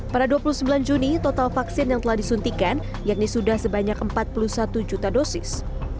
pada dua puluh sembilan juni total vaksin yang telah disuntikan yakni sudah sebanyak empat puluh satu juta dosis